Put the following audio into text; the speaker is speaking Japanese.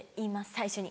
最初に。